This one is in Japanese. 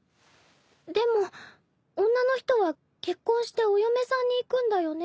でも女の人は結婚してお嫁さんに行くんだよね？